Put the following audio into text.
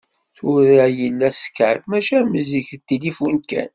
Tura yella Skype, mačči am zik d tilifun kan.